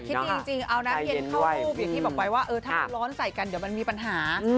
คิดดีจริงเอาน้ำเย็นเข้ารูปอย่างที่บอกไปว่าเออถ้ามันร้อนใส่กันเดี๋ยวมันมีปัญหา